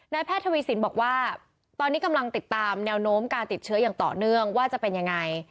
แพทย์ทวีสินบอกว่าตอนนี้กำลังติดตามแนวโน้มการติดเชื้ออย่างต่อเนื่องว่าจะเป็นยังไง